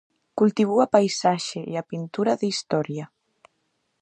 Cultivou a paisaxe e a pintura de historia.